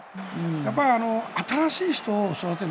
やっぱり新しい人を育てる。